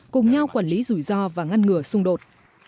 cùng nhau quản lý rủi ro và ngăn ngừa xung đột